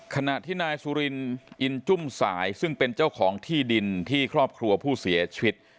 ขณะที่นายสุรินอินจุ้มสายซึ่งเป็นเจ้าของที่ดินที่ครอบครัวผู้เสียชีวิต